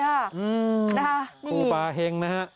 ทุกอย่างแดดแปลงมาเองหมดเลยนะคะ